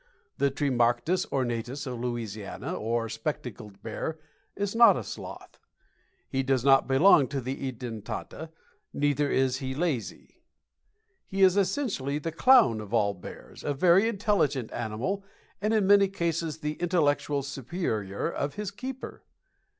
The Tremarctos Ornatus of Louisiana, or spectacled bear, is not a sloth. He does not belong to the Edentata, neither is he lazy. He is essentially the clown of all bears, a very intelligent animal, and in many cases the intellectual superior of his keeper.